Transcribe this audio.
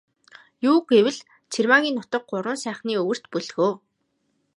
Юу гэвэл, Цэрмаагийн нутаг Гурван сайхны өвөрт бөлгөө.